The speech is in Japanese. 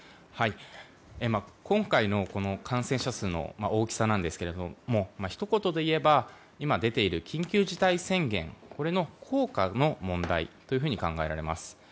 今回の感染者数の大きさなんですけれどもひと言で言えば今、出ている緊急事態宣言これの効果の問題というふうに考えられます。